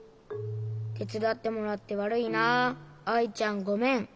てつだってもらってわるいなアイちゃんごめん。